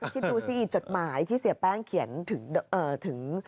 คิดดูสิจดหมายที่เสียแป้งเขียนถึง